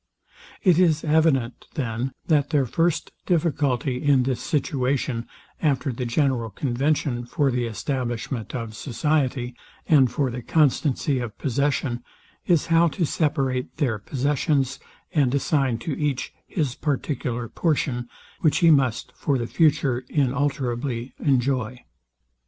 It is evident, then, that their first difficulty, in this situation, after the general convention for the establishment of society, and for the constancy of possession, is, how to separate their possessions, and assign to each his particular portion, which he must for the future inalterably enjoy.